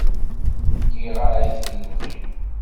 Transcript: Ddiɣ-ak di lebɣi.